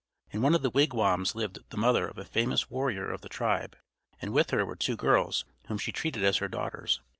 In one of the wigwams lived the mother of a famous warrior of the tribe, and with her were two girls whom she treated as her daughters.